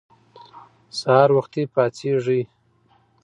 سهار وختي پاڅیږئ.